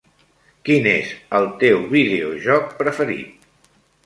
Quin és el teu videojoc preferit?